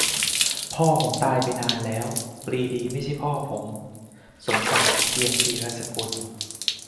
"พ่อผมตายไปนานแล้ว ปรีดีไม่ใช่พ่อผม" - สมศักดิ์ เจียมธีรสกุล